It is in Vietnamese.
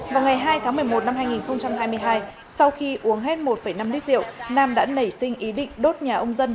vào ngày hai tháng một mươi một năm hai nghìn hai mươi hai sau khi uống hết một năm lít rượu nam đã nảy sinh ý định đốt nhà ông dân